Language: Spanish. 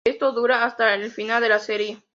Esto dura hasta el final de la serie.